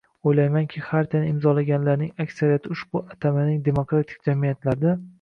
O‘ylaymanki, Xartiyani imzolaganlarning aksariyati ushbu atamaning demokratik jamiyatlarda